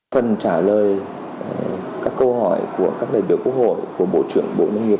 phần trả lời các câu hỏi của các đại biểu quốc hội của bộ trưởng bộ nông nghiệp